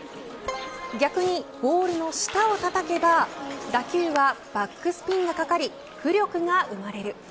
逆に、ボールの下をたたけば打球はバックスピンがかかり浮力が生まれる。